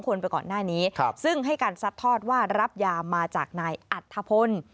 คนไปก่อนหน้านี้ซึ่งให้การซัดทอดว่ารับยามาจากนายอัธพล